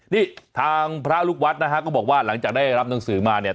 นี่ทางพระลูกวัดนะฮะก็บอกว่าหลังจากได้รับหนังสือมาเนี่ย